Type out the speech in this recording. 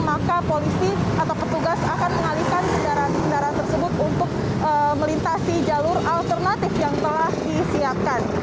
maka polisi atau petugas akan mengalihkan kendaraan kendaraan tersebut untuk melintasi jalur alternatif yang telah disiapkan